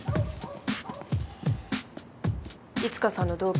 いつかさんの同期。